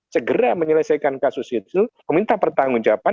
segera menyelesaikan kasus itu meminta pertanggungjawaban